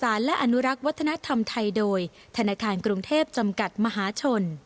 และอนุรักษ์วัฒนธรรมไทยโดยธนาคารกรุงเทพจำกัดมหาชน